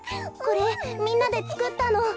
これみんなでつくったの。